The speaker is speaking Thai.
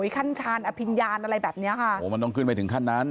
ขั้นชาญอภิญญาณอะไรแบบเนี้ยค่ะโหมันต้องขึ้นไปถึงขั้นนั้น